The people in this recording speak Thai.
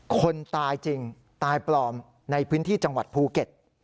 คนตายจริงตายปลอมในพื้นที่จังหวัดภูเก็ต